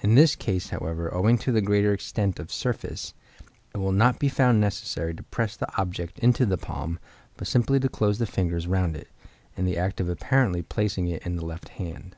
In this case, however, owing to the greater extent of surface, it will not be found necessary to press the object into the palm, but simply to close the fingers round it, in the act of apparently placing it in the left hand.